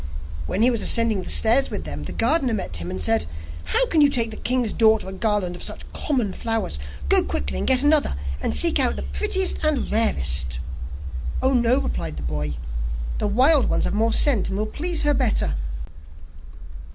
When he was ascending the stairs with them, the gardener met him, and said: 'How can you take the king's daughter a garland of such common flowers? Go quickly, and get another, and seek out the prettiest and rarest.' 'Oh, no,' replied the boy, 'the wild ones have more scent, and will please her better.